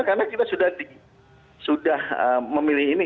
karena kita sudah memilih ini